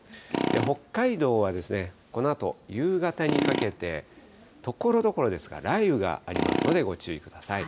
北海道はこのあと夕方にかけて、ところどころですが、雷雨がありますので、ご注意ください。